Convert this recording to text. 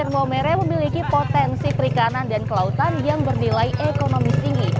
momere memiliki potensi perikanan dan kelautan yang bernilai ekonomi tinggi